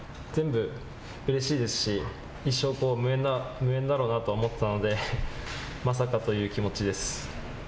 全部うれしいですし一生無縁だろうなと思っていたのでまさかという気持ちです。